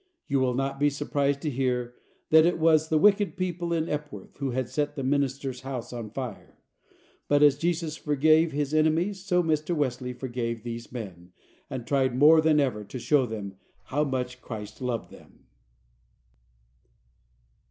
You will not be surprised to hear, that it was the wicked people in Epworth who had set the minister's house on fire. But as Jesus forgave His enemies, so Mr. Wesley forgave these men, and tried more than ever to show them how much Christ loved them.